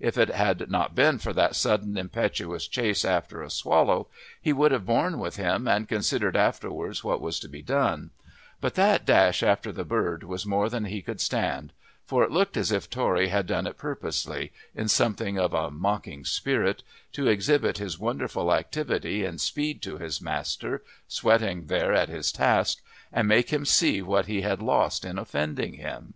If it had not been for that sudden impetuous chase after a swallow he would have borne with him and considered afterwards what was to be done; but that dash after the bird was more than he could stand; for it looked as if Tory had done it purposely, in something of a mocking spirit, to exhibit his wonderful activity and speed to his master, sweating there at his task, and make him see what he had lost in offending him.